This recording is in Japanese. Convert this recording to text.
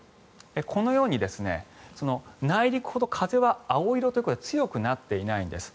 このように内陸ほど風は青色ということで強くなっていないんです。